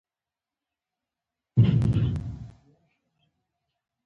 بیان په دوو ډولونو کیږي په نثر او په نظم.